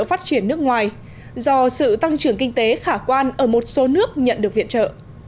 phát triển nước ngoài do sự tăng trưởng kinh tế khả quan ở một số nước nhận được viện trợ